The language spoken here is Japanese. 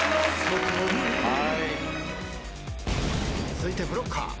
続いてブロッカー。